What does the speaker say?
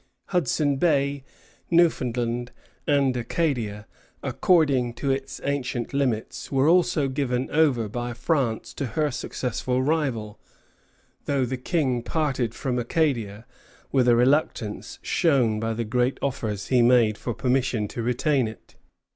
Hudson Bay, Newfoundland, and Acadia, "according to its ancient limits," were also given over by France to her successful rival; though the King parted from Acadia with a reluctance shown by the great offers he made for permission to retain it.